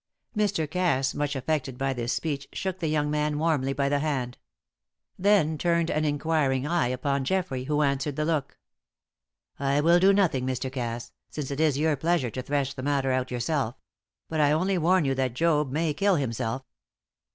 Mr. Cass, much affected by this speech, shook the young man warmly by the hand; then turned an inquiring eye upon Geoffrey, who answered the look. "I will do nothing, Mr. Cass, since it is your pleasure to thresh the matter out yourself. But I only warn you that Job may kill himself."